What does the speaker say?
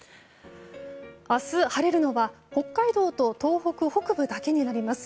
明日、晴れるのは北海道と東北北部だけになります。